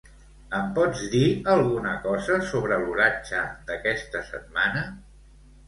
Em pots dir alguna cosa sobre l'oratge d'aquesta setmana?